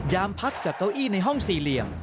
พักจากเก้าอี้ในห้องสี่เหลี่ยม